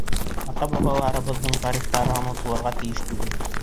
Ата-бабаларыбыҙ тарихы онотолорға тейеш түгел.